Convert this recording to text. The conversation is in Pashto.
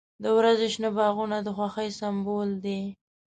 • د ورځې شنه باغونه د خوښۍ سمبول دی.